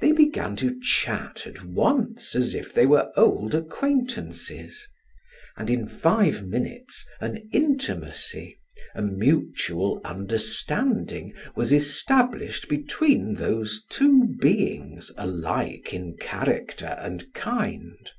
They began to chat at once as if they were old acquaintances, and in five minutes an intimacy, a mutual understanding, was established between those two beings alike in character and kind.